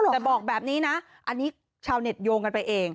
แต่บอกแบบนี้นะอันนี้ชาวเน็ตโยงกันไปเอง